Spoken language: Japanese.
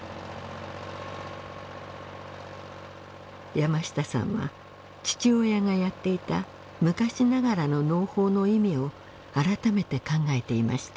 山下さんは父親がやっていた昔ながらの農法の意味を改めて考えていました。